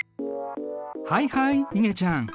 はいはいいげちゃん。